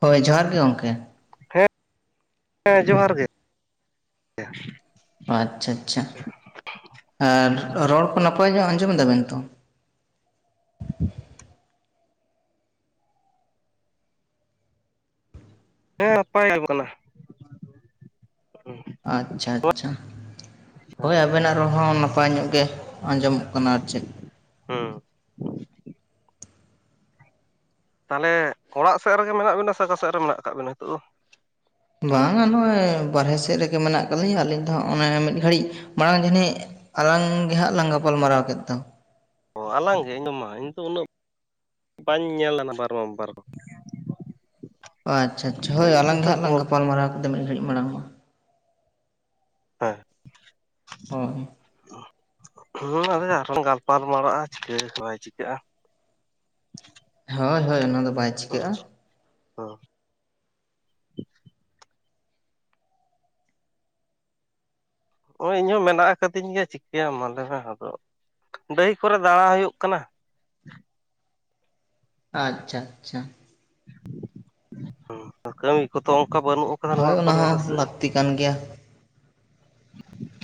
ᱦᱳᱭ ᱡᱚᱦᱟᱨ ᱜᱮ ᱜᱚᱝᱠᱮ ᱦᱮᱸ ᱡᱚᱦᱟᱨ ᱜᱮ [inaudible] ᱟᱪᱪᱷᱟ ᱪᱷᱟ ᱟᱨ ᱨᱚᱲ ᱠᱚ ᱱᱟᱯᱟᱭ ᱧᱚᱜ ᱟᱸᱡᱚᱢ ᱫᱟᱵᱤᱱ ᱛᱚ ᱦᱮᱸ ᱱᱟᱯᱟᱭ ᱟᱸᱡᱚᱜ ᱠᱟᱱᱟ ᱟᱼᱪᱷᱟ ᱪᱷᱟ ᱦᱳᱭ ᱦᱮᱸ ᱟᱵᱮᱱᱟᱜ ᱨᱚᱲ ᱦᱚᱸ ᱱᱟᱯᱟᱭ ᱧᱚᱜ ᱜᱮ ᱟᱸᱡᱚᱢᱚᱜ ᱠᱟᱱᱟ ᱟᱨ ᱪᱮᱫ ᱦᱩᱸ ᱛᱟᱞᱦᱮ ᱚᱲᱟᱜ ᱥᱮᱫ ᱨᱮᱜᱮ ᱢᱮᱱᱟᱜ ᱵᱤᱱᱟ ᱥᱮ ᱟᱠᱟ ᱥᱮᱫ ᱨᱮ ᱢᱮᱱᱟᱜ ᱠᱟᱜ ᱵᱤᱱᱟ ᱱᱤᱛᱚᱜ ᱫᱚ ᱵᱟᱝᱟ ᱱᱚᱜᱼᱚᱭ ᱵᱟᱨᱦᱮ ᱥᱮᱫ ᱨᱮᱜᱮ ᱢᱮᱱᱟᱜ ᱠᱟᱜ ᱞᱤᱧᱟ. ᱟᱹᱞᱤᱧ ᱫᱚ ᱦᱟᱸᱜ ᱚᱱᱮ ᱢᱤᱫ ᱜᱷᱟᱹᱲᱤᱡ ᱢᱟᱲᱟᱝ ᱡᱟᱹᱱᱤᱡ ᱟᱞᱟᱝ ᱜᱮ ᱦᱟᱸᱜ ᱞᱟᱝ ᱜᱟᱯᱟᱞᱢᱟᱨᱟᱣ ᱠᱮᱫ ᱫᱚ ᱚ ᱟᱞᱟᱝ ᱜᱮ ᱤᱧ ᱫᱚ ᱢᱟ ᱤᱧ ᱫᱚ ᱩᱱᱟᱹᱜ ᱵᱟᱧ ᱧᱮᱞ ᱞᱟᱱᱟ [unintelligible] ᱟᱪᱪᱷᱟ ᱟᱪᱪᱷᱟ ᱦᱳᱭ ᱟᱞᱟᱝ ᱜᱮ ᱦᱟᱸᱜ ᱞᱟᱝ ᱠᱚᱞ ᱜᱟᱯᱟᱞᱢᱟᱨᱟᱣ ᱠᱮᱫᱟ ᱢᱤᱫ ᱜᱷᱟᱹᱲᱤᱡ ᱢᱟᱲᱟᱝ ᱢᱟ ᱦᱮᱸ ᱦᱳᱭ ᱦᱮᱸ ᱟ [unintelligible] ᱟᱨᱚᱢ ᱜᱟᱯᱟᱞ ᱢᱟᱨᱟᱜᱼᱟ ᱪᱤᱠᱟᱹ ᱵᱟᱭ ᱪᱤᱠᱟᱹᱜᱼᱟ [inaudible] ᱦᱳᱭ ᱦᱳᱭ ᱚᱱᱟᱫᱚ ᱵᱟᱭ ᱪᱤᱠᱟᱹᱜᱼᱟ ᱳᱻ ᱦᱳᱭ ᱤᱧᱦᱚᱸ ᱢᱮᱱᱟᱜ ᱟᱠᱟᱫᱤᱧ ᱜᱮᱭᱟ ᱪᱤᱠᱟᱹᱭᱟᱢ ᱞᱮᱭ ᱢᱮ ᱟᱫᱚ ᱰᱟᱹᱦᱤ ᱠᱚᱨᱮ ᱫᱟᱬᱟ ᱦᱩᱭᱩᱜ ᱠᱟᱱᱟ ᱟᱪᱪᱷᱟᱻᱟᱪᱪᱷᱟ ᱠᱟᱹᱢᱤ ᱠᱚᱫᱚ ᱚᱱᱠᱟ ᱵᱟᱹᱱᱩᱜ ᱟᱠᱟᱫᱟ ᱦᱳᱭ ᱱᱚᱣᱟ ᱚᱱᱟ ᱠᱚᱨᱮ ᱦᱮᱸ ᱦᱚᱸ ᱥᱮ ᱞᱟᱹᱠᱛᱤ [unintelligible] ᱠᱟᱱ ᱜᱮᱭᱟ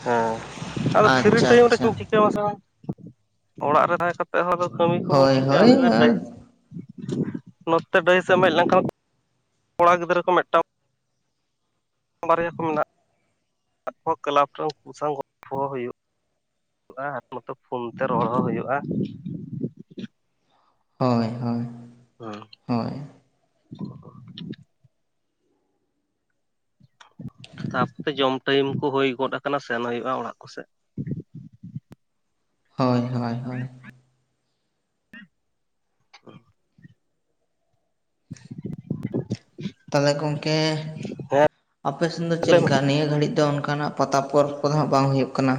ᱦᱮᱸ ᱟᱫᱚ ᱯᱷᱤᱨᱤ ᱟᱪᱪᱷᱟ ᱴᱟᱭᱤᱢ ᱨᱮ ᱟᱪᱪᱷᱟ ᱪᱚᱝ ᱪᱤᱠᱟᱹ ᱵᱟᱝ ᱥᱟᱱᱟᱧ ᱚᱲᱟᱜ ᱨᱮ ᱛᱟᱦᱮᱸ ᱠᱟᱛᱮ ᱦᱛᱚ ᱠᱟᱹᱢᱤ ᱠᱚᱵᱚ ᱦᱳᱭ ᱪᱮᱠᱟᱭᱟ ᱦᱳᱭ ᱟᱨ [unintelligible] ᱱᱚᱛᱮ ᱰᱟᱹᱦᱤ ᱥᱮᱡ ᱮᱢ ᱦᱮᱡ ᱞᱮᱱᱠᱷᱟᱱ ᱠᱚᱲᱟ ᱜᱤᱫᱽᱨᱟᱹ ᱠᱚ ᱢᱤᱫᱴᱟᱝ ᱵᱟᱨᱭᱟ ᱠᱚ ᱢᱮᱱᱟᱜ [unintelligible] ᱚᱠᱚ ᱠᱞᱟᱵᱽ ᱨᱮᱱ ᱠᱩ [unintelligible] ᱥᱟᱶ ᱜᱚᱞᱯᱷᱚ ᱦᱩᱭᱩᱜᱼᱟ [unintelligible] ᱦᱩᱭᱩᱜᱼᱟ ᱱᱚᱛᱮ‌ ᱯᱷᱳᱱ ᱛᱮ ᱨᱚᱲ ᱦᱚᱸ ᱦᱩᱭᱩᱜᱼᱟ ᱦᱳᱭᱻᱦᱳᱭᱻ ᱦᱮᱸ [inaudible] ᱛᱟᱯᱚᱛᱮ ᱡᱚᱢ ᱴᱟᱭᱤᱢ ᱠᱚ ᱦᱩᱭ ᱜᱚᱫ ᱟᱠᱟᱱᱟ ᱥᱮᱱ ᱦᱩᱭᱩᱜᱼᱟ ᱚᱲᱟᱜ ᱠᱚ ᱥᱮᱫ ᱦᱳᱭᱻᱦᱳᱭᱻ [inaudible] ᱚ [inaudible] [inaudible] ᱛᱟᱦᱞᱮ ᱜᱚᱝᱠᱮ ᱦᱮᱸ ᱟᱯᱮ ᱥᱮᱱ ᱫᱚ ᱪᱮᱫ ᱞᱟᱹᱭ ᱢᱮ ᱞᱮᱠᱟ ᱱᱤᱭᱟᱹ ᱟᱯᱮ ᱟᱯᱮ ᱥᱮᱫ ᱫᱚ ᱪᱮᱫ ᱞᱮᱠᱟ ᱱᱤᱭᱟᱹ ᱜᱷᱟᱹᱲᱤᱡ ᱫᱚ ᱚᱱᱠᱟ ᱱᱟᱜ ᱯᱟᱛᱟ ᱯᱚᱨᱚᱵᱽ ᱠᱚᱫᱚ ᱦᱟᱸᱜ ᱵᱟᱝ ᱦᱩᱭᱩᱜ ᱠᱟᱱᱟ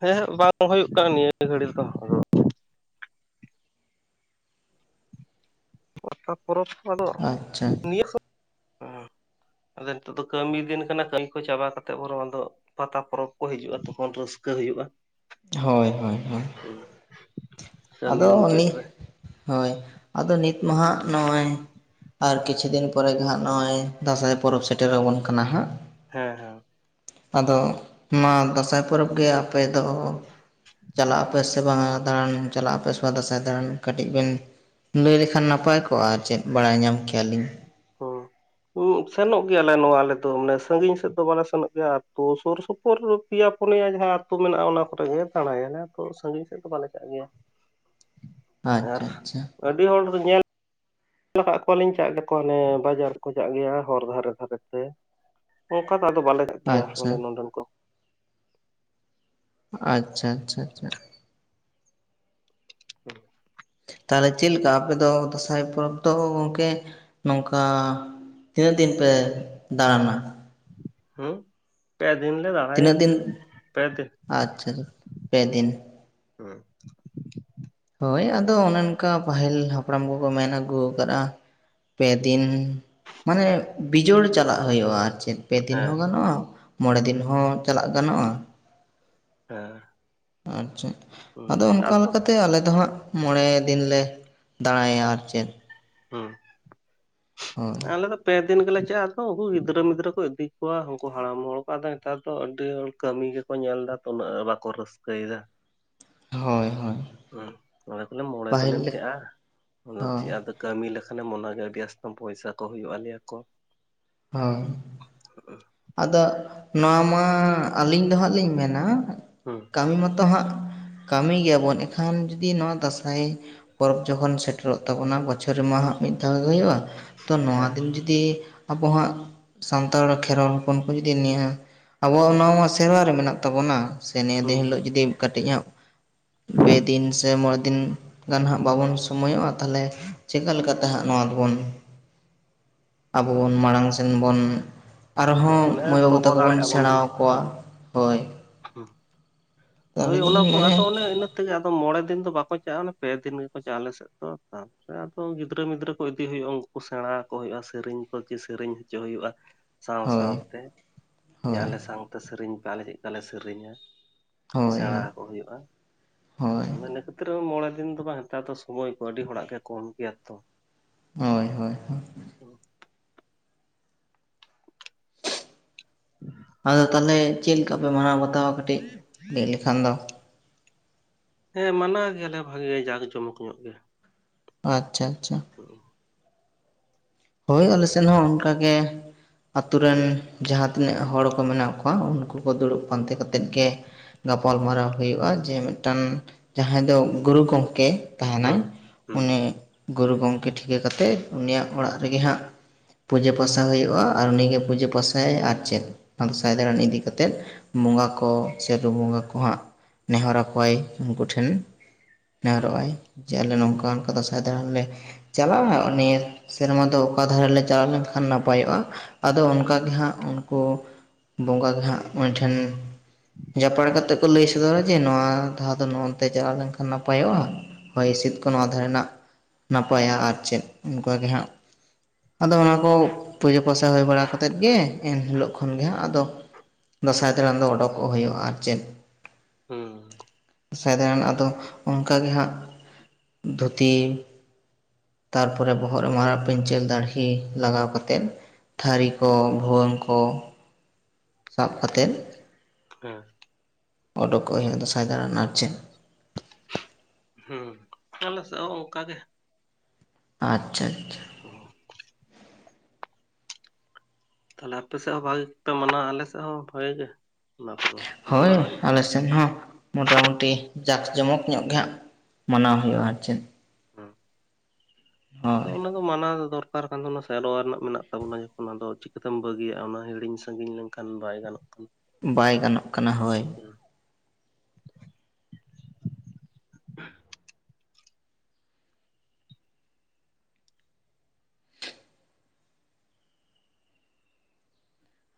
ᱦᱮᱸ ᱦᱮᱸ ᱵᱟᱝ ᱦᱩᱭᱩᱜ ᱠᱟᱱᱟ ᱱᱤᱭᱟᱹ ᱜᱷᱟᱹᱲᱤᱡ ᱫᱚ ᱟᱫᱚ ᱯᱟᱛᱟ ᱯᱚᱨᱚᱵᱽ ᱟᱫᱚ ᱟᱪᱪᱷᱟ ᱱᱤᱭᱟᱹ ᱠᱚ [unintelligible] [inaudible] ᱟᱫᱚ ᱱᱤᱛᱚᱜ ᱫᱚ ᱠᱟᱹᱢᱤ ᱫᱤᱱ ᱠᱟᱱᱟ ᱠᱟᱹᱢᱤ ᱠᱚ ᱪᱟᱵᱟ ᱠᱟᱛᱮᱫ ᱵᱚᱨᱚᱝ ᱟᱫᱚ ᱯᱟᱛᱟ ᱯᱚᱨᱚᱵᱽ ᱠᱚ ᱦᱤᱡᱩᱜᱼᱟ, ᱛᱚᱠᱷᱚᱱ ᱨᱟᱹᱥᱠᱟᱹ ᱦᱩᱭᱩᱜᱼᱟ ᱾ ᱦᱳᱭᱻᱦᱳᱭᱻᱦᱳᱭᱻ ᱦᱩᱸ [inaudible] ᱟᱫᱚ ᱩᱱᱤ ᱦᱳᱭ, ᱟᱫᱚ ᱱᱤᱛ ᱢᱟᱦᱟᱜ ᱱᱚᱜᱼᱚᱸᱚᱭ ᱟᱨ ᱠᱤᱪᱷᱩ ᱫᱤᱱ ᱯᱚᱨᱮ ᱜᱮ ᱦᱟᱸᱜ ᱱᱚᱜᱼᱚᱭ ᱫᱟᱸᱥᱟᱭ ᱯᱚᱨᱚᱵᱽ ᱥᱮᱴᱮᱨ ᱨᱟᱵᱚᱱ ᱠᱟᱱᱟ ᱦᱟᱸᱜ ᱦᱮᱸᱻᱦᱮᱸᱻ ᱟᱫᱚ ᱢᱟ ᱫᱟᱸᱥᱟᱭ ᱯᱚᱨᱚᱵᱽ ᱜᱮ ᱟᱯᱮ ᱫᱚ ᱪᱟᱞᱟᱜ ᱟᱯᱮ ᱥᱮ ᱵᱟᱝ-ᱟ ᱫᱟᱬᱟᱱ ᱪᱟᱞᱟᱜ ᱟᱯᱮ ᱥᱮ ᱵᱟ ᱫᱟᱸᱥᱟᱭ ᱫᱟᱬᱟᱱ ᱠᱟᱹᱴᱤᱡ ᱵᱮᱱ ᱞᱟᱹᱭ ᱞᱮᱠᱷᱟᱱ ᱱᱟᱯᱟᱭ ᱠᱚᱜᱼᱟ, ᱟᱨ ᱪᱮᱫ ᱵᱟᱲᱟᱭ ᱧᱟᱢ ᱠᱮᱭᱟᱞᱤᱧ ᱾ ᱦᱩᱸᱻ ᱥᱮᱱᱚᱜ ᱜᱮᱭᱟᱞᱮ ᱱᱚᱣᱟ ᱟᱞᱮ ᱫᱚ ᱢᱟᱱᱮ ᱥᱟᱺᱜᱤᱧ ᱥᱮᱫ ᱫᱚ ᱵᱟᱞᱮ ᱥᱮᱱᱚᱜ ᱜᱮᱭᱟ᱾ ᱟᱛᱳ ᱥᱩᱨ ᱥᱩᱯᱩᱨ ᱯᱮᱭᱟ ᱯᱩᱱᱭᱟ ᱡᱟᱦᱟᱸ ᱟᱹᱛᱳ ᱢᱮᱱᱟᱜᱼᱟ, ᱚᱱᱟ ᱠᱚᱨᱮᱜ ᱜᱮ ᱫᱟᱬᱟᱭᱟᱞᱮ ᱛᱚ ᱥᱟᱺᱜᱤᱧ ᱥᱮᱫ ᱫᱚ ᱵᱟᱞᱮ ᱪᱟᱜ ᱜᱮᱭᱟ᱾ [inaudible] ᱟᱪᱪᱷᱟ ᱟᱨ ᱟᱪᱪᱷᱟ ᱟᱹᱰᱤ ᱦᱚᱲ ᱫᱚ ᱧᱮᱞ ᱧᱮᱞ ᱟᱠᱟᱫ ᱠᱚᱣᱟᱞᱤᱧ ᱪᱟᱜ ᱜᱮᱠᱚ, ᱦᱟᱱᱮ ᱵᱟᱡᱟᱨ ᱨᱮ ᱠᱚ ᱪᱟᱜ ᱜᱮᱭᱟ ᱦᱚᱨ ᱫᱷᱟᱨᱮ ᱫᱷᱟᱨᱮ ᱛᱮ᱾ ᱚᱱᱠᱟ ᱫᱚ ᱟᱫᱚ ᱵᱟᱞᱮ ᱪᱟᱜ ᱜᱮᱭᱟ ᱟᱞᱮ ᱟᱪᱪᱷᱟ ᱱᱚᱰᱮᱱ ᱠᱚ᱾ ᱟᱪᱪᱷᱟᱻᱟᱪᱪᱷᱟᱻᱟᱪᱪᱷᱟᱻ ᱦᱩᱸ [unintelligible] ᱛᱟᱦᱚᱞᱮ ᱪᱮᱫ ᱞᱮᱠᱟ ᱟᱯᱮ ᱫᱚ ᱫᱟᱸᱥᱟᱭ ᱯᱚᱨᱚᱵᱽ ᱫᱚ ᱜᱚᱢᱠᱮ ᱱᱚᱝᱠᱟ ᱛᱤᱱᱟᱹᱜ ᱫᱤᱱ ᱯᱮ ᱫᱟᱬᱟᱱᱟ? ᱦᱮᱸ ᱯᱮ ᱫᱤᱱ ᱞᱮ ᱫᱟᱬᱟ [unintelligible] ᱛᱤᱱᱟᱹᱜ ᱫᱤᱱ? ᱟᱪᱪᱷᱟ ᱟᱪᱷᱟ ᱯᱮ ᱦᱩᱸ ᱫᱤᱱ᱾ ᱦᱩᱸ᱾ ᱦᱳᱭ ᱟᱫᱚ ᱚᱱᱮ ᱚᱱᱠᱟ ᱯᱟᱹᱦᱤᱞ ᱦᱟᱯᱲᱟᱢ ᱠᱚᱠᱚ ᱢᱮᱱ ᱟᱹᱜᱩ ᱟᱠᱟᱫᱼᱟ᱾ ᱯᱮ ᱫᱤᱱ ᱢᱟᱱᱮ ᱵᱤᱡᱳᱲ ᱪᱟᱞᱟᱜ ᱦᱳᱭᱳᱜᱼᱟ ᱟᱨ ᱪᱮᱜ ᱯᱮ ᱫᱤᱱ ᱦᱮᱸ ᱦᱚᱸ ᱜᱟᱱᱚᱜᱼᱟ᱾ ᱢᱚᱬᱮ ᱫᱤᱱ ᱦᱚᱸ ᱪᱟᱞᱟᱜ ᱜᱟᱱᱚᱜᱼᱟ ᱦᱮᱸ᱾ ᱟᱨ ᱪᱮᱫ ᱟᱫᱚ ᱚᱱᱠᱟ ᱞᱮᱠᱟᱛᱮ ᱟᱞᱮ ᱫᱚ ᱦᱟᱸᱜ ᱢᱚᱬᱮ ᱫᱤᱱ ᱞᱮ ᱫᱟᱲᱟᱭᱟ᱾ ᱟᱨ ᱪᱮᱜ? ᱦᱩᱸ᱾ ᱦᱳᱭ ᱟᱞ ᱫᱚᱯ ᱯᱮ ᱫᱤᱱ ᱜᱮᱞᱮ ᱪᱟᱜᱼᱟ ᱛᱚ ᱩᱱᱠᱩ ᱜᱤᱫᱽᱨᱟᱹ ᱢᱤᱫᱽᱨᱟᱹ ᱠᱚ ᱤᱫᱤ ᱠᱚᱣᱟ ᱩᱱᱠᱩ ᱦᱟᱲᱟᱢ ᱦᱚᱲ ᱠᱚ ᱟᱫᱚ ᱱᱮᱛᱟᱨ ᱫᱚ ᱟᱹᱰᱤ ᱦᱚᱲ ᱠᱟᱹᱢᱤ ᱜᱮ ᱠᱚ ᱧᱮᱞ ᱫᱟ ᱛᱚ ᱩᱱᱟᱹᱜ ᱵᱟᱠᱚ ᱨᱟᱹᱥᱠᱟᱹᱭ ᱫᱟ᱾ ᱦᱚᱭ ᱦᱚᱭ ᱦᱚᱸ ᱚᱸᱰᱮ ᱠᱚ ᱞᱟᱹᱭᱟ ᱢᱚᱬᱮ ᱫᱤᱱᱮᱢ ᱪᱟᱜᱼᱟ ᱦᱚᱸ ᱦᱳᱭ ᱪᱮᱜ ᱟᱫᱚ ᱠᱟᱹᱢᱤ ᱞᱮᱠᱷᱟᱱᱮᱢ ᱚᱱᱟᱜᱮ ᱟᱹᱰᱤ ᱟᱥᱛᱚᱢ ᱯᱚᱭᱥᱟ ᱠᱚ ᱦᱳᱭᱳᱜᱼᱟ ᱞᱮᱭᱟ ᱠᱚ᱾ ᱦᱟᱸ ᱟᱫᱚ ᱱᱚᱣᱟ ᱢᱟ ᱟᱹᱞᱤᱧ ᱫᱚ ᱦᱟᱸᱜ ᱞᱤᱧ ᱢᱮᱱᱟ ᱦᱚᱸ᱾ ᱠᱟᱹᱢᱤ ᱢᱟᱛᱚ ᱦᱟᱸᱜ ᱠᱟᱹᱢᱤ ᱜᱮᱭᱟ ᱵᱚᱱ ᱮᱠᱷᱟᱱ ᱡᱩᱫᱤ ᱱᱚᱣᱟ ᱫᱟᱸᱥᱟᱭ ᱯᱚᱨᱚᱵᱽ ᱡᱚᱠᱷᱚᱱ ᱥᱮᱴᱮᱨᱚᱜ ᱛᱟᱵᱚᱱᱟ ᱵᱚᱪᱷᱚᱨ ᱨᱮ ᱢᱟ ᱦᱟᱸᱜ ᱢᱤᱫ ᱫᱷᱟᱣ ᱜᱮ ᱦᱳᱭᱳᱜᱼᱟ, ᱛᱚ ᱱᱚᱣᱟ ᱦᱮᱸ ᱫᱤᱱ ᱡᱩᱫᱤ ᱟᱵᱚ ᱦᱟᱜ ᱥᱟᱱᱛᱟᱲ ᱠᱷᱮᱨᱣᱟᱞ ᱦᱚᱯᱚᱱ ᱠᱚ ᱡᱩᱫᱤ ᱱᱤᱭᱟᱹ ᱟᱵᱚᱣᱟᱜ ᱚᱱᱟ ᱢᱟ ᱥᱮᱣᱨᱟ ᱨᱮ ᱢᱮᱱᱟᱜ ᱛᱟᱵᱚᱱᱟ ᱾ ᱥᱮ ᱱᱤᱭᱟᱹ ᱦᱩᱸ ᱫᱤᱱ ᱦᱤᱞᱳᱜ ᱦᱩᱸ ᱡᱩᱫᱤ ᱠᱟᱹᱴᱤᱡ ᱧᱚᱜ ᱯᱮ ᱫᱤᱱ ᱥᱮ ᱛᱮ ᱢᱚᱬᱮ ᱫᱤᱱ ᱜᱟᱱ ᱦᱟᱸᱜ ᱵᱟᱵᱚᱱ ᱥᱚᱢᱚᱭᱚᱜᱼᱟ, ᱛᱷᱟᱞᱮ ᱪᱮᱠᱟᱹ ᱞᱮᱠᱟᱛᱮ ᱦᱟᱸᱜ ᱱᱚᱣᱟ ᱫᱚᱵᱚᱱ ᱚᱵᱚᱱ ᱢᱟᱲᱟᱝ ᱥᱮᱱ ᱵᱚᱱ ᱟᱨ ᱦᱚᱸ ᱢᱟᱱᱮ ᱢᱟᱹᱭ ᱵᱟᱹᱵᱩ ᱫᱚᱦᱚ ᱛᱟᱠᱚ ᱵᱚᱱ ᱥᱮᱸᱬᱟ ᱟᱠᱚᱣᱟ, ᱦᱳᱭ ᱾ ᱦᱩᱸ ᱦᱳᱭ, ᱚᱱᱟ ᱠᱚ ᱢᱚᱱᱮᱭᱟ ᱟᱛᱚ ᱚᱱᱮ ᱤᱱᱟᱹ ᱛᱮ ᱜᱮ ᱟᱫᱚ ᱢᱚᱬᱮ ᱫᱤᱱ ᱫᱚ ᱵᱟᱠᱚ ᱪᱟᱜᱼᱟ᱾ ᱚᱱᱮ ᱯᱮ ᱫᱤᱱ ᱜᱮᱠᱚ ᱪᱟᱜᱼᱟ᱾ ᱟᱞᱮᱥᱮᱫ ᱛᱚ ᱛᱟᱵ ᱥᱮ ᱟᱫᱚᱢ ᱜᱤᱫᱽᱨᱟᱹ ᱢᱤᱫᱽᱨᱟᱹ ᱠᱚ ᱤᱫᱤ ᱦᱩᱭᱩᱜᱼᱟ ᱩᱱᱠᱩ ᱥᱮᱸᱬᱟ ᱟᱠᱚ ᱦᱳᱭᱳᱜᱼᱟ ᱥᱮᱨᱮᱧ ᱠᱚ ᱪᱮᱜ ᱥᱮᱨᱮᱧ ᱦᱚᱪᱚ ᱦᱳᱭᱳᱜᱼᱟ ᱾ ᱥᱟᱶ ᱦᱳᱭ ᱥᱟᱶᱛᱮ ᱡᱮ ᱦᱳᱭ ᱟᱞᱮ ᱥᱟᱶᱛᱮ ᱥᱮᱨᱮᱧ ᱯᱮ, ᱟᱞᱮ ᱪᱮᱜᱠᱟ ᱞᱮ ᱥᱮᱨᱮᱧᱟ ᱾ [unintelligible] ᱦᱳᱭ ᱥᱮᱸᱬᱟ ᱟᱠᱚ ᱦᱳᱭᱳᱜᱼᱟ ᱦᱳᱭ [unintelligible] ᱛᱨᱳ ᱢᱚᱬᱮ ᱫᱤᱱ ᱫᱚ ᱵᱟᱝ ᱦᱮᱛᱟᱨᱛᱚ ᱥᱚᱢᱚᱭ ᱠᱚ ᱟᱹᱰᱤ ᱦᱚᱲᱟᱜ ᱜᱮ ᱠᱚᱢ ᱜᱮᱭᱟ ᱛᱚ᱾ ᱦᱚᱭ ᱦᱚᱭ ᱦᱚᱭ [unintelligible] ᱟᱫᱚ ᱛᱟᱞᱮ ᱪᱮᱜᱞᱮᱠᱟ ᱯᱮ ᱢᱟᱱᱟᱣ ᱵᱟᱛᱟᱣᱟ ᱠᱟᱹᱴᱤᱡ ᱞᱟᱹᱭ ᱞᱮᱠᱷᱟᱱ ᱫᱚ᱾ ᱦᱮᱸ ᱢᱟᱱᱟᱣ ᱜᱮᱭᱟᱞᱮ ᱵᱷᱟᱜᱮ ᱡᱟᱠ ᱡᱚᱢᱚᱠ ᱧᱚᱜ ᱜᱮ᱾ ᱟᱪᱪᱷᱟ ᱟᱪᱪᱷᱟ ᱾ ᱦᱩᱜ ᱦᱩᱸ ᱦᱳᱭ ᱟᱞᱮ ᱥᱮᱱ ᱦᱚᱸ ᱚᱱᱠᱟᱜ ᱜᱮ ᱟᱹᱛᱳ ᱨᱮᱱ ᱦᱮᱸ ᱡᱟᱦᱟᱛ ᱛᱤᱱᱟᱹᱜ ᱦᱚᱲ ᱠᱚ ᱢᱮᱱᱟᱜ ᱠᱚᱣᱟ ᱩᱱᱠᱩ ᱠᱚ ᱫᱩᱲᱩᱵ ᱯᱟᱱᱛᱮ ᱠᱟᱛᱮᱫ ᱜᱮ ᱜᱟᱯᱟᱞᱢᱟᱨᱟᱣ ᱦᱳᱭᱳᱜ-ᱟ ᱡᱮ ᱢᱤᱫᱴᱟᱱ ᱡᱟᱦᱟᱸᱭ ᱫᱚ ᱜᱩᱨᱩ ᱜᱚᱝᱠᱮ᱾ ᱛᱟᱦᱮᱱᱟᱭ ᱦᱮᱸ ᱦᱮᱸ ᱩᱱᱤ ᱜᱩᱨᱩ ᱜᱚᱝᱠᱮ ᱴᱷᱤᱠᱟᱹ ᱠᱟᱛᱮᱜ ᱩᱱᱤᱭᱟᱜ ᱚᱲᱟᱜ ᱨᱮᱜᱮ ᱦᱟᱸᱜ᱾ ᱯᱩᱡᱟᱹ ᱯᱟᱥᱟ ᱦᱳᱭᱳᱜ-ᱟ ᱟᱨ ᱩᱱᱤ ᱜᱮ ᱯᱩᱡᱟᱹ ᱯᱟᱥᱟᱭᱟᱭ ᱟᱨ ᱪᱮᱜ ᱫᱚᱥᱟᱭ ᱫᱟᱲᱟᱱ ᱤᱫᱤ ᱠᱟᱛᱮᱫ ᱵᱚᱸᱜᱟ ᱠᱚ ᱥᱮ ᱨᱩ ᱵᱚᱸᱜᱟ ᱠᱚ ᱦᱟᱸᱜ᱾ ᱱᱮᱦᱚᱨ ᱟᱠᱚᱣᱟᱭ ᱩᱱᱠᱩ ᱴᱷᱮᱱ ᱦᱮᱸ ᱱᱮᱦᱚᱨᱚᱜ ᱟᱭ ᱡᱮ ᱟᱞᱮ ᱱᱚᱝᱠᱟ ᱚᱱᱠᱟ ᱫᱟᱸᱥᱟᱭ ᱫᱟᱬᱟᱱ ᱞᱮ ᱪᱟᱞᱟᱜ-ᱟ ᱱᱤᱭᱟᱹ ᱥᱮᱨᱢᱟ ᱫᱚ ᱚᱠᱟ ᱫᱷᱟᱨᱟ ᱞᱮ ᱪᱟᱞᱟᱣ ᱞᱮᱱᱠᱷᱟᱱ ᱱᱟᱯᱟᱭᱚᱜ-ᱟ ᱟᱫᱚ ᱚᱱᱠᱟᱜ ᱜᱮ ᱦᱟᱸᱜ ᱩᱱᱠᱩ ᱵᱚᱸᱜᱟ ᱜᱮ ᱦᱟᱸᱜ ᱩᱱᱤ ᱴᱷᱮᱱ ᱡᱟᱯᱟᱲ ᱠᱟᱛᱮᱜ ᱠᱚ ᱞᱟᱹᱭ ᱥᱚᱫᱚᱨᱟ ᱡᱮ ᱱᱚᱣᱟ ᱫᱷᱟᱣ ᱫᱚ ᱱᱚᱱᱛᱮ ᱪᱟᱞᱟᱣ ᱞᱮᱱᱠᱷᱟᱱ ᱱᱟᱯᱟᱭᱚᱜ-ᱟ ᱦᱚᱭ ᱦᱤᱸᱥᱤᱫ ᱠᱚ ᱱᱚᱣᱟ ᱫᱷᱟᱨᱮᱱᱟᱜ ᱱᱟᱯᱟᱭᱟ ᱟᱨ ᱪᱮᱫ ᱚᱱᱠᱟᱜ ᱜᱮ ᱦᱟᱸᱜ ᱟᱫᱚ ᱚᱱᱟ ᱠᱚ ᱯᱩᱡᱟᱹ ᱯᱚᱭᱥᱟ ᱦᱩᱭ ᱵᱟᱲᱟ ᱠᱟᱛᱮ ᱜᱮ ᱮᱱᱦᱤᱞᱳᱜ ᱠᱷᱚᱱ ᱦᱟᱸᱜ ᱟᱫᱚ ᱫᱟᱸᱥᱟᱭ ᱫᱟᱬᱟᱱ ᱫᱚ ᱚᱰᱳᱠᱚᱜ ᱦᱩᱭᱩᱜ-ᱟ ᱟᱨ ᱪᱮᱫ ᱾ ᱦᱮᱸ ᱾ ᱫᱟᱸᱥᱟᱭ ᱫᱟᱬᱟᱱ ᱟᱫᱚ ᱚᱱᱠᱟ ᱜᱮ ᱦᱟᱸᱜ ᱫᱷᱩᱛᱤ ᱛᱟᱨᱯᱚᱨᱮ ᱵᱚᱦᱚᱜ ᱮᱢ ᱢᱟᱨ ᱯᱟᱹᱧᱪᱤ ᱟᱨ ᱫᱟᱹᱲᱦᱤ ᱞᱟᱜᱟᱣ ᱠᱟᱛᱮᱫ ᱛᱷᱟᱹᱨᱤ ᱠᱚ ᱵᱷᱩᱣᱟᱹᱝ ᱠᱚ ᱥᱟᱵ ᱠᱟᱛᱮᱫ ᱦᱮᱸ ᱾ ᱚᱰᱳᱠᱚᱜ ᱦᱩᱭᱩᱜ ᱫᱟᱸᱥᱟᱭ ᱫᱟᱬᱟᱱ ᱟᱨ ᱪᱮᱫ ᱦᱩᱸ ᱟᱞᱮ ᱥᱮᱫ ᱦᱚᱸ ᱚᱱᱠᱟ ᱜᱮ ᱾ ᱟᱪᱪᱷᱟ ᱟᱪᱪᱷᱟ [inaudible] ᱛᱷᱟᱞᱮ ᱟᱯᱮ ᱥᱮᱫ ᱦᱚᱸ ᱵᱷᱟᱜᱮ ᱜᱮᱯᱮ ᱢᱟᱱᱟᱣᱟ ᱟᱞᱮ ᱥᱮᱫ ᱦᱚᱸ ᱵᱷᱟᱜᱮ ᱜᱮ ᱾ ᱦᱳᱭ ᱟᱞᱮ ᱥᱮᱱ ᱦᱚᱸ ᱢᱚᱴᱟ ᱢᱩᱴᱤ ᱡᱟᱠ ᱡᱚᱢᱚᱠ ᱧᱚᱜ ᱜᱮ ᱦᱟᱸᱜ ᱢᱟᱱᱟᱣ ᱦᱩᱭᱩᱜ-ᱟ ᱟᱨ ᱪᱮᱫ ᱾ ᱦᱮᱸ ᱟᱫᱚ ᱦᱳᱭ ᱚᱱᱟ ᱢᱟᱱᱟᱣ ᱫᱚᱨᱠᱟᱨ ᱠᱟᱱ ᱛᱚ ᱚᱱᱟ ᱥᱮᱨᱣᱟ ᱨᱮᱱᱟᱜ ᱢᱮᱱᱟᱜ ᱛᱟᱵᱚᱱᱟ ᱡᱚᱠᱷᱚᱱ ᱟᱫᱚ ᱪᱤᱠᱟᱹ ᱛᱮᱢ ᱵᱟᱹᱜᱤᱭᱟᱜ-ᱟ ᱚᱱᱟ ᱦᱤᱲᱤᱧ ᱥᱟᱺᱜᱤᱧ ᱞᱮᱱᱠᱷᱟᱱ ᱠᱷᱟᱱ ᱵᱟᱭ ᱜᱟᱱᱚᱜ ᱠᱟᱱᱟ᱾ ᱵᱟᱭ ᱜᱟᱱᱚᱜ ᱠᱟᱱᱟ ᱦᱳᱭ ᱾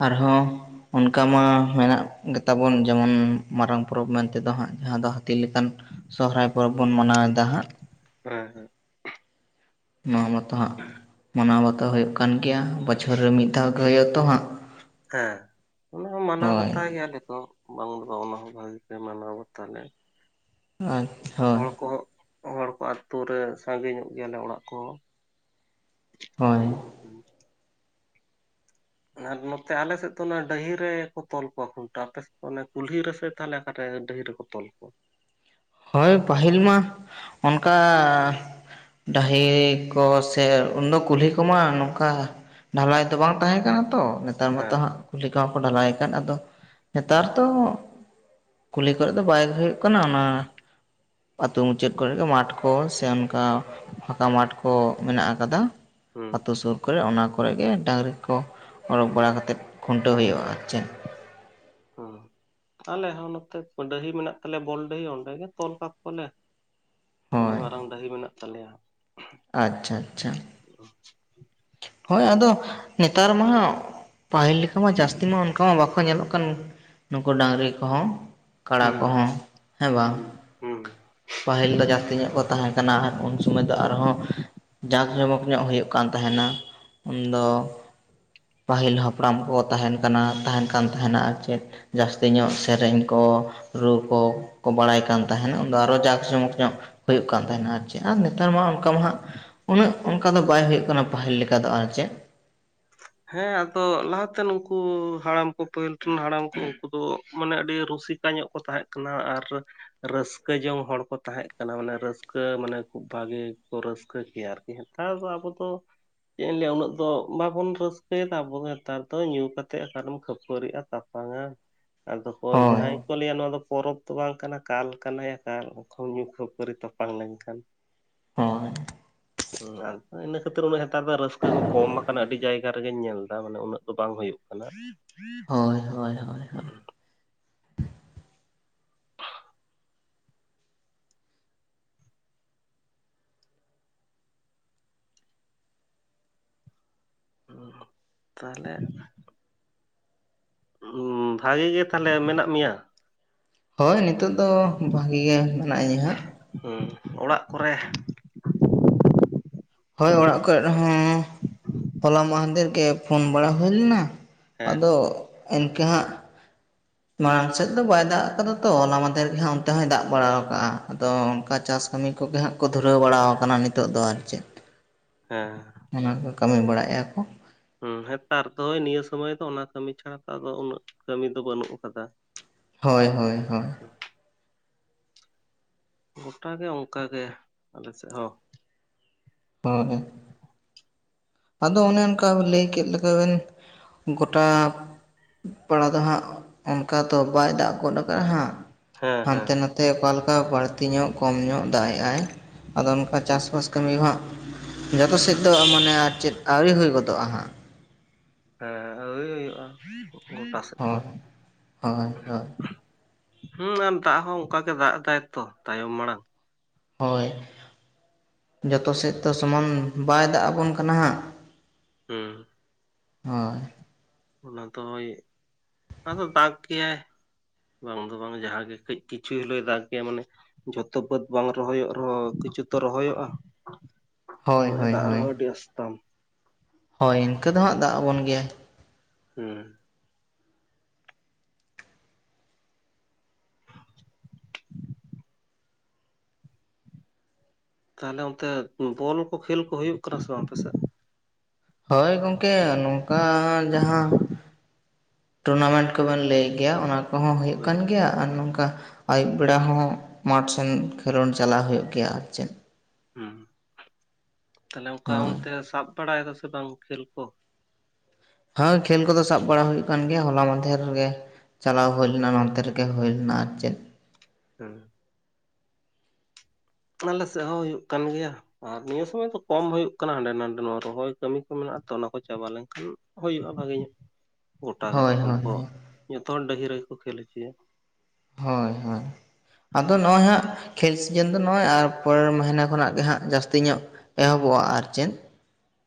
ᱟᱨ ᱦᱚᱸ ᱚᱱᱠᱟ ᱢᱟ ᱢᱮᱱᱟᱜ ᱜᱮ ᱛᱟᱵᱚᱱ ᱡᱮᱢᱚᱱ ᱢᱟᱨᱟᱝ ᱯᱚᱨᱚᱵᱽ ᱢᱮᱱ ᱛᱮᱫᱚ ᱦᱟᱸᱜ ᱡᱟᱦᱟᱸ ᱫᱚ ᱦᱟᱹᱛᱤ ᱞᱮᱠᱟᱱ ᱥᱚᱦᱚᱨᱟᱭ ᱯᱚᱨᱚᱵᱽ ᱵᱚᱱ ᱢᱟᱱᱟᱣᱮᱫᱟ ᱦᱟᱸᱜ ᱦᱮᱸ ᱦᱮᱸ ᱾ ᱱᱚᱣᱟ ᱵᱟᱚᱛᱚ ᱦᱟᱸᱜ ᱢᱟᱱᱟᱣ ᱵᱟᱛᱟᱣ ᱦᱩᱭᱩᱜ-ᱟ ᱠᱟᱱ ᱜᱮᱭᱟ ᱵᱚᱪᱷᱚᱨ ᱨᱮ ᱢᱤᱫ ᱫᱷᱟᱣ ᱜᱮ ᱦᱩᱭᱩᱜ ᱛᱚ ᱦᱟᱸᱜ ᱾ ᱦᱮᱸ ᱚᱱᱟ ᱦᱚᱸ ᱢᱟᱱᱟᱣ ᱵᱟᱛᱟᱣ ᱜᱮᱭᱟ ᱟᱞᱮ ᱠᱚ ᱵᱟᱝ ᱫᱚ ᱵᱟᱝ ᱚᱱᱟ ᱦᱚᱸ ᱵᱷᱟᱜᱤ ᱜᱮ ᱢᱟᱱᱟᱣ ᱵᱟᱛᱟᱣ ᱞᱮ ᱟᱨ ᱦᱳᱭ ᱦᱚᱲ ᱠᱚᱦᱚᱸ ᱦᱚᱲ ᱠᱚ ᱟᱹᱛᱩ ᱨᱮ ᱥᱟᱺᱜᱮ ᱧᱚᱜ ᱜᱮᱭᱟᱞᱮ ᱚᱲᱟᱜ ᱠᱚᱦᱚᱸ ᱦᱳᱭ ᱾ ᱦᱩᱸ ᱾ ᱟᱨ ᱱᱚᱛᱮ ᱟᱞᱮ ᱥᱮᱫ ᱫᱚ ᱚᱱᱟ ᱰᱟᱹᱦᱤ ᱨᱮᱠᱚ ᱛᱚᱞ ᱠᱚᱣᱟ ᱠᱷᱩᱱᱴᱟᱹᱣ ᱟᱯᱮ ᱥᱮᱫ ᱫᱚ ᱚᱱᱮ ᱠᱩᱞᱦᱤ ᱨᱮ ᱥᱮ ᱛᱟᱦᱚᱞᱮ ᱚᱠᱟᱨᱮ ᱰᱟᱹᱦᱤ ᱨᱮᱠᱚ ᱛᱚᱞ ᱠᱚ ᱛᱚᱞ ᱠᱚ ᱦᱳᱭ ᱯᱟᱹᱦᱤᱞ ᱢᱟ ᱚᱱᱠᱟ᱾ ᱰᱟᱹᱦᱤ ᱠᱚ ᱥᱮ ᱩᱱᱫᱚ ᱠᱩᱞᱦᱤ ᱠᱚᱢᱟ ᱱᱚᱝᱠᱟ ᱰᱷᱟᱞᱟᱭ ᱫᱚ ᱵᱟᱝ ᱛᱟᱦᱮᱸ ᱠᱟᱱᱟ ᱛᱚ ᱱᱮᱛᱟᱨ ᱢᱟᱛᱚ ᱦᱮᱸ ᱦᱮᱸ ᱦᱟᱸᱜ ᱠᱩᱞᱤ ᱞᱮᱠᱟ ᱦᱚᱸ ᱠᱚ ᱰᱷᱟᱞᱟᱭ ᱟᱠᱟᱫ ᱟᱫᱚ ᱱᱮᱛᱟᱨ ᱫᱚ ᱠᱩᱞᱦᱤ ᱠᱷᱚᱡ ᱫᱚ ᱵᱟᱭ ᱦᱩᱭᱩᱜ ᱠᱟᱱᱟ ᱚᱱᱟ ᱟᱹᱛᱳ ᱢᱩᱪᱟᱹᱫ ᱠᱚᱨᱮ ᱢᱟᱴᱷ ᱠᱚ ᱥᱮ ᱚᱱᱠᱟ ᱯᱷᱟᱸᱠᱟ ᱢᱟᱴᱷ ᱠᱚ ᱢᱮᱱᱟᱜ ᱟᱠᱟᱫᱟ ᱾ ᱦᱩᱸ ᱟᱹᱛᱩ ᱥᱩᱨ ᱠᱚᱨᱮ ᱚᱱᱟ ᱠᱚᱨᱮ ᱜᱮ ᱰᱟᱹᱝᱨᱤ ᱠᱚ ᱚᱰᱚᱜ ᱵᱟᱲᱟ ᱠᱟᱛᱮᱫ ᱠᱷᱩᱱᱴᱟᱹᱣ ᱦᱩᱭᱩᱜᱼᱟ ᱟᱨ ᱪᱮᱫ ᱾ ᱦᱚᱸ ᱟᱞᱮ ᱦᱚᱸ ᱱᱚᱛᱮ ᱵᱟᱺᱰᱟᱹᱦᱤ ᱢᱮᱱᱟᱜ ᱛᱟᱞᱮ ᱵᱚᱞᱰᱟᱹᱦᱤ ᱚᱸᱰᱮ ᱜᱮ ᱛᱚᱞ ᱠᱟᱠᱚ ᱟᱞᱮ ᱾ ᱟᱹᱰᱤ ᱦᱳᱭ ᱢᱟᱨᱟᱝ ᱰᱟᱹᱦᱤ ᱢᱮᱱᱟᱜ ᱛᱟᱞᱮᱭᱟ ᱾ ᱟᱪᱪᱷᱟ ᱟᱪᱪᱷᱟ ᱾ [unintelligible] ᱦᱚᱭ ᱟᱫᱚ ᱱᱮᱛᱟᱨ ᱢᱟᱦᱟᱜ ᱯᱟᱹᱦᱤᱞ ᱞᱮᱠᱟ ᱢᱟ ᱡᱟᱹᱥᱛᱤ ᱢᱟ ᱚᱱᱠᱟ ᱢᱟ ᱵᱟᱠᱚ ᱧᱮᱞᱚᱜ ᱠᱟᱱ ᱱᱩᱠᱩ ᱰᱟᱹᱝᱨᱤ ᱠᱚᱦᱚᱸ ᱠᱟᱲᱟ ᱦᱩᱸ ᱠᱚᱦᱚᱸ ᱦᱮᱸ ᱵᱟᱝ ᱦᱩᱸ ᱦᱩᱸ ᱯᱟᱹᱦᱤᱞ ᱫᱚ ᱡᱟᱹᱥᱛᱤ ᱧᱚᱜ ᱠᱚ ᱛᱟᱦᱮᱸ ᱠᱟᱱᱟ ᱩᱱ ᱥᱩᱢᱚᱭ ᱫᱚ ᱟᱨᱦᱚᱸ ᱡᱟᱠᱼ ᱡᱚᱢᱚᱠ ᱧᱚᱜ ᱦᱩᱭᱩᱜ ᱠᱟᱱ ᱛᱟᱦᱮᱱᱟ ᱩᱱᱫᱚ ᱦᱩᱸ ᱯᱟᱹᱦᱤᱞ ᱦᱟᱯᱲᱟᱢ ᱠᱚ ᱛᱟᱦᱮᱱ ᱠᱟᱱᱟ ᱛᱟᱦᱮᱱ ᱠᱟᱱ ᱛᱟᱦᱮᱱᱟ ᱟᱨ ᱪᱮᱫ ᱾ ᱡᱟᱹᱥᱛᱤ ᱧᱚᱜ ᱥᱮᱨᱮᱧ ᱠᱚ ᱨᱩ ᱠᱚ ᱠᱚ ᱵᱟᱲᱟᱭ ᱠᱟᱱ ᱛᱟᱦᱮᱱ ᱩᱱᱫᱚ ᱟᱨᱚ ᱡᱟᱸᱠ ᱡᱚᱢᱚᱠ ᱧᱚᱜ ᱦᱩᱭᱩᱜ ᱠᱟᱱ ᱛᱟᱦᱮᱱᱟ ᱟᱨ ᱟᱨ ᱱᱮᱛᱟᱨ ᱢᱟ ᱚᱱᱠᱟ ᱢᱟ ᱦᱟᱸᱜ ᱩᱱᱟᱹᱜ ᱚᱱᱠᱟ ᱫᱚ ᱵᱟᱭ ᱦᱩᱭᱩᱜ ᱠᱟᱱᱟ ᱯᱟᱹᱦᱤᱞ ᱞᱮᱠᱟ ᱫᱚ ᱟᱨ ᱪᱮᱫ ᱾ ᱦᱮᱸ ᱟᱫᱚ ᱞᱟᱦᱟᱛᱮ ᱱᱩᱠᱩ ᱦᱟᱲᱟᱢ ᱠᱚ ᱯᱟᱹᱦᱤᱞ ᱴᱷᱤᱱ ᱦᱟᱲᱟᱢ ᱠᱚ ᱩᱱᱠᱩ ᱫᱚ ᱢᱟᱱᱮ ᱟᱹᱰᱤ ᱨᱩᱥᱤᱠ ᱧᱚᱜ ᱠᱚ ᱛᱟᱸᱦᱮᱜ ᱠᱟᱱᱟ ᱟᱨ ᱨᱟᱹᱥᱠᱟᱹ ᱡᱚᱝ ᱦᱚᱲ ᱠᱚ ᱛᱟᱸᱦᱮᱜ ᱠᱟᱱᱟ ᱢᱟᱱᱮ ᱨᱟᱹᱥᱠᱟᱹ ᱢᱟᱱᱮ ᱠᱷᱩᱵ ᱵᱷᱟᱜᱮ ᱠᱚ ᱨᱟᱹᱥᱠᱟᱹ ᱠᱮᱭᱟ ᱟᱨ ᱱᱮᱦᱛᱟᱨ ᱫᱚ ᱟᱵᱚ ᱫᱚ ᱪᱮᱫ ᱤᱧ ᱞᱟᱹᱭᱟ ᱩᱱᱟᱹᱜ ᱫᱚ ᱵᱟᱵᱚᱱ ᱨᱟᱹᱥᱠᱟᱹ ᱯᱮ ᱛᱟᱵᱚ ᱱᱮᱛᱟᱨ ᱫᱚ ᱧᱩ ᱠᱟᱛᱮᱫ ᱚᱠᱟᱨᱮᱢ ᱠᱷᱟᱹᱯᱟᱹᱨᱤᱜᱼᱟ ᱛᱟᱯᱟᱝᱼᱟ ᱟᱫᱚ ᱦᱚᱭ ᱦᱳᱭ ᱡᱟᱦᱟᱸᱭ ᱠᱚ ᱞᱟᱹᱭᱟ ᱱᱚᱣᱟ ᱫᱚ ᱯᱚᱨᱚᱵᱽ ᱫᱚ ᱵᱟᱝ ᱠᱟᱱᱟ ᱠᱟᱞ ᱠᱟᱱᱟᱭᱟ ᱠᱟᱞ ᱧᱩ ᱠᱷᱟᱹᱯᱟᱹᱨᱤ ᱛᱟᱯᱟᱝ ᱞᱮᱱᱠᱷᱟᱱ ᱦᱳᱭ ᱦᱩᱸ ᱟᱫᱚ ᱤᱱᱟᱹ ᱠᱷᱟᱹᱛᱤᱨ ᱩᱱᱟᱹᱜ ᱱᱮᱛᱟᱨ ᱫᱚ ᱨᱟᱹᱥᱠᱟᱹ ᱠᱚ ᱠᱚᱢ ᱟᱠᱟᱱᱟ ᱟᱹᱰᱤ ᱡᱟᱭᱜᱟ ᱡᱟᱦᱟ ᱨᱮᱜᱤᱧ ᱧᱮᱞ ᱮᱫᱟ ᱢᱟᱱᱮ ᱩᱱᱟᱹᱜ ᱫᱚ ᱵᱟᱝ ᱦᱩᱭᱩᱜ ᱠᱟᱱᱟ ᱾ ᱦᱳᱭ ᱦᱳᱭ ᱦᱚᱭ ᱦᱚᱭ [unintelligible] ᱠᱷᱩᱜ [unintelligible] ᱛᱟᱦᱚᱞᱮ ᱩᱸ ᱵᱷᱟ. ᱜᱤ ᱜᱮ ᱛᱟᱦᱚᱞᱮ ᱢᱮᱱᱟᱜ ᱢᱮᱭᱟ? ᱦᱳᱭ ᱱᱤᱛᱚᱜ ᱫᱚ ᱵᱷᱟᱹᱜᱤ ᱜᱮ ᱢᱮᱱᱟᱜᱼᱤᱧᱟ ᱦᱟᱸᱜ ᱦᱩᱸ ᱚᱲᱟᱜ ᱠᱚᱨᱮ ᱦᱳᱭ ᱚᱲᱟᱜ ᱠᱚᱨᱮ ᱦᱚᱸ ᱦᱚᱞᱟ ᱢᱟᱦᱮᱱᱫᱮᱨ ᱜᱮ ᱯᱷᱳᱱ ᱵᱟᱲᱟ ᱦᱩᱭ ᱞᱮᱱᱟ ᱦᱮᱸ ᱟᱫᱚ ᱤᱱᱠᱟᱹ ᱦᱟᱸᱜ ᱢᱟᱲᱟᱝ ᱥᱮᱫ ᱫᱚ ᱵᱟᱭ ᱫᱟᱜ ᱟᱠᱟᱫᱟ ᱛᱚ ᱦᱚᱞᱟ ᱢᱟᱸᱫᱷᱮᱨ ᱜᱮ ᱦᱟᱸᱜ ᱚᱱᱛᱮ ᱦᱚᱸᱭ ᱫᱟᱜ ᱵᱟᱲᱟ ᱟᱠᱟᱫᱟᱼ ᱟᱫᱚ ᱚᱱᱠᱟ ᱪᱟᱥ ᱠᱟᱹᱢᱤ ᱠᱚᱜᱮ ᱦᱟᱸᱜ ᱠᱚ ᱫᱷᱩᱨᱟᱹᱣ ᱵᱟᱲᱟᱣ ᱠᱟᱱᱟ ᱱᱤᱛᱚᱜ ᱫᱚ ᱟᱨ ᱪᱮᱫ ᱦᱮᱸ ᱚᱱᱟ ᱠᱚ ᱠᱟᱹᱢᱤ ᱵᱟᱲᱟᱭᱮᱫᱼᱟ ᱠᱚ ᱦᱩᱸ ᱦᱮᱸᱛᱟᱨ ᱫᱚᱭ ᱱᱤᱭᱟᱹ ᱥᱚᱢᱚᱭ ᱫᱚ ᱚᱱᱟ ᱠᱟᱹᱢᱤ ᱪᱷᱟᱲᱟ ᱟᱫᱚ ᱩᱱᱟᱹᱜ ᱠᱟᱹᱢᱤ ᱫᱚ ᱵᱟᱹᱱᱩᱜ ᱟᱠᱟᱫᱟ ᱦᱳᱭ ᱦᱳᱭ ᱦᱳᱭ ᱜᱚᱴᱟ ᱜᱮ ᱚᱱᱠᱟ ᱜᱮ ᱟᱞᱮ ᱥᱮᱫ ᱦᱚᱸ [unintelligible] ᱦᱩᱸ ᱦᱩᱸ ᱟᱫᱚ ᱚᱱᱮ ᱚᱱᱠᱟ ᱞᱟᱹᱭ ᱠᱮᱫ ᱞᱮᱠᱟ ᱵᱮᱱ ᱜᱚᱴᱟ ᱯᱟᱲᱟ ᱫᱚ ᱦᱟᱸᱜ, ᱚᱱᱠᱟ ᱫᱚ ᱵᱟᱭ ᱫᱟᱜ ᱜᱚᱫ ᱠᱟᱜᱼᱟ ᱦᱟᱸᱜ ᱦᱮᱸ ᱦᱮᱸ ᱦᱟᱱᱛᱮ ᱱᱟᱛᱮ ᱚᱠᱟ ᱞᱮᱠᱟ ᱵᱟᱹᱲᱛᱤ ᱧᱚᱜ ᱠᱚᱢ ᱧᱚᱜ ᱫᱟᱜ ᱮᱜ ᱟᱭ ᱟᱫᱚ ᱚᱱᱠᱟ ᱪᱟᱥᱵᱟᱥ ᱠᱟᱹᱢᱤ ᱦᱟᱸᱜ ᱡᱚᱛᱚ ᱥᱮᱫ ᱫᱚ ᱢᱟᱱᱮ ᱪᱮᱫ ᱟᱹᱣᱨᱤ ᱦᱩᱭ ᱜᱚᱫᱚᱜᱼᱟ ᱦᱟᱸᱜ ᱦᱮᱸ [unintelligible] ᱦᱩᱭᱩᱜᱼᱟ ᱜᱚᱴᱟ ᱥᱮᱫ ᱫᱚ ᱦᱳᱭ ᱦᱳᱭ ᱦᱳᱭ ᱦᱩᱸ ᱟᱨ ᱫᱟᱜ ᱦᱚᱸ ᱚᱱᱠᱟ ᱜᱮ ᱫᱟᱜ ᱫᱟᱭᱛᱚ ᱛᱟᱭᱚᱢ ᱢᱟᱲᱟᱝ ᱦᱳᱭ ᱡᱚᱛᱚ ᱥᱮᱫ ᱫᱚ ᱥᱚᱢᱟᱱ ᱵᱟᱭ ᱫᱟᱜ ᱟᱵᱚᱱ ᱠᱟᱱᱟ ᱦᱟᱸᱜ ᱦᱩᱸ᱾ ᱦᱳᱭ᱾ ᱚᱱᱟ ᱫᱚᱭ, ᱚᱱᱟ ᱫᱚ ᱫᱟᱜ ᱜᱮᱭᱟᱭ᱾ ᱵᱟᱝ ᱫᱚ ᱵᱟᱝ ᱡᱟᱦᱟᱸ ᱜᱮ ᱠᱟᱹᱡ ᱠᱤᱪᱷᱩ ᱦᱤᱞᱳᱭ ᱫᱟᱜ ᱜᱮᱭᱟ, ᱢᱟᱱᱮ ᱡᱷᱚᱛᱚ ᱵᱟᱹᱫ ᱵᱟᱝ ᱨᱚᱦᱚᱭᱚᱜ ᱨᱮᱦᱚᱸ ᱠᱤᱪᱷᱩ ᱛᱚ ᱨᱚᱦᱚᱭᱚᱜᱼᱟ᱾ ᱦᱳᱭ ᱩᱱᱟᱹᱜ ᱮ ᱦᱳᱭ ᱫᱟᱜ ᱦᱳᱭ ᱨᱮᱦᱚᱸ ᱟᱹᱰᱤ ᱟᱥᱛᱚᱢ, ᱦᱳᱭ ᱤᱱᱠᱟᱹ ᱫᱚ ᱦᱟᱸᱜ ᱫᱟᱜ ᱟᱵᱚᱱ ᱜᱮᱭᱟᱭ᱾ ᱦᱩᱸ᱾ ᱛᱟᱦᱚᱞᱮ ᱚᱱᱛᱮ ᱵᱚᱞ ᱠᱚ ᱠᱷᱮᱞ ᱠᱚ ᱦᱩᱭᱩᱜ ᱠᱟᱱᱟ ᱥᱮ ᱵᱟᱝ ᱟᱯᱮ ᱥᱮᱫ? ᱦᱳᱭ ᱜᱚᱝᱠᱮ ᱱᱚᱝᱠᱟ ᱡᱟᱦᱟᱸ ᱴᱩᱨᱱᱟᱢᱮᱱᱴ ᱠᱚ ᱵᱮᱱ ᱞᱟᱹᱭᱮᱜ ᱜᱮᱭᱟ ᱚᱱᱟ ᱠᱚᱦᱚᱸ ᱦᱩᱭᱩᱜ ᱦᱳᱭ ᱠᱟᱱ ᱜᱮᱭᱟ᱾ ᱟᱨ ᱱᱚᱝᱠᱟ ᱟᱹᱭᱩᱵ ᱵᱮᱲᱟ ᱦᱚᱸ ᱢᱟᱴᱷ ᱥᱮᱱ ᱠᱷᱮᱞᱳᱰ ᱪᱟᱞᱟᱣ ᱦᱳᱭᱳᱜ ᱜᱮᱭᱟ᱾ ᱟᱨ ᱪᱮᱫ, ᱦᱩᱸ ᱛᱟᱦᱚᱞᱮ ᱚᱱᱠᱟ ᱦᱳᱭ ᱚᱱᱛᱮ ᱥᱟᱵ ᱵᱟᱲᱟᱭᱮᱫᱟ ᱥᱮ ᱵᱟᱝ ᱠᱷᱮᱞ ᱠᱚ? ᱦᱮᱸ ᱠᱷᱮᱞ ᱠᱚᱫᱚ ᱥᱟᱵ ᱵᱟᱲᱟ ᱦᱩᱭᱩᱜ ᱠᱟᱱ ᱜᱮᱭᱟ ᱦᱚᱞᱟ ᱢᱟᱫᱷᱮᱨ ᱜᱮ ᱪᱟᱞᱟᱣ ᱦᱳᱭ ᱞᱮᱱᱟ ᱱᱚᱱᱛᱮ ᱨᱮᱜᱮ ᱦᱩᱭ ᱞᱮᱱᱟ, ᱟᱨ ᱪᱮᱫ ᱦᱩᱸ᱾ ᱟᱞᱮ ᱥᱮᱫ ᱦᱚᱸ ᱦᱩᱭᱩᱜ ᱠᱟᱱ ᱜᱮᱭᱟ᱾ ᱟᱨ ᱱᱤᱭᱟᱹ ᱥᱚᱢᱚᱭ ᱫᱚ ᱠᱚᱢ ᱦᱩᱭᱩᱜ ᱠᱟᱱᱟ, ᱦᱟᱸᱰᱮ ᱱᱟᱰᱮ ᱱᱚᱣᱟ ᱨᱚᱦᱚᱭ ᱠᱟᱹᱢᱤ ᱠᱚ ᱢᱮᱱᱟᱜᱼᱟ ᱛᱚ ᱚᱱᱟ ᱠᱚ ᱪᱟᱵᱟ ᱞᱮᱱᱠᱷᱟᱱ ᱦᱩᱭᱩᱜᱼᱟ ᱵᱷᱟᱜᱮ ᱧᱚᱜ ᱜᱳᱴᱟ ᱜᱮ ᱦᱳᱭ ᱛᱚᱠᱷᱚᱱ ᱦᱳᱭ ᱫᱚᱠᱚ ᱡᱚᱛᱚ ᱦᱚᱲ ᱰᱟᱹᱦᱤ ᱨᱮᱜᱮ ᱠᱚ ᱠᱷᱮᱞ ᱦᱚᱪᱚᱭᱟ᱾ ᱦᱳᱭ ᱦᱳᱭ ᱟᱫᱚ ᱦᱮᱸ ᱱᱚᱜᱼᱚᱭ ᱦᱟᱸᱜ ᱠᱷᱮᱞ ᱥᱤᱡᱮᱱ ᱫᱚ ᱱᱚᱜᱼᱚᱭ ᱟᱨ ᱯᱚᱨᱮᱨ ᱢᱟᱹᱦᱮᱱᱟᱹ ᱠᱷᱚᱱᱟᱜ ᱜᱮ ᱦᱟᱸᱜ ᱡᱟᱹᱥᱛᱤ ᱧᱚᱜ ᱮᱦᱚᱵᱚᱜᱼᱟ ᱟᱨ ᱪᱮᱫ